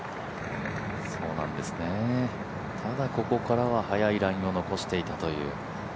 ただここからは速いラインを残していたという。